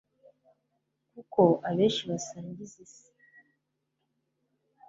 kuko abenshi basangiza Isi